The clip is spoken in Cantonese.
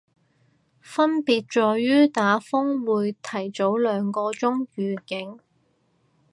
分別在於打風會提早兩個鐘預警